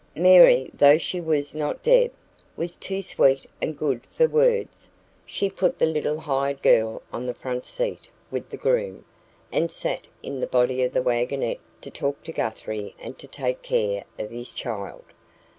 Mary, though she was not Deb, was too sweet and good for words. She put the little hired girl on the front seat with the groom, and sat in the body of the waggonette to talk to Guthrie and to take care of his child.